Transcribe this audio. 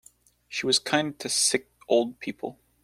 She was kind to sick old people.